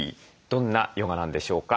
どんなヨガなんでしょうか。